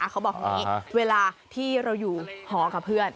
เขาบอกอย่างนี้เวลาที่เราอยู่หอกับเพื่อน